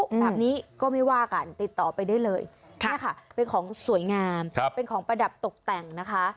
แบบนี้ก็ไม่ว่ากันติดต่อไปได้เลยเนี่ยค่ะเป็นของสวยงามเป็นของประดับตกแต่งนะคะ